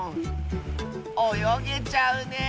およげちゃうねえ！